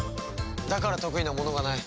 だから得意なものがない。